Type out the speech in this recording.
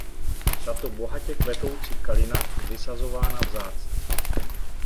Tato bohatě kvetoucí kalina je vysazována vzácně.